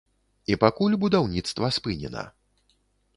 І пакуль будаўніцтва спынена.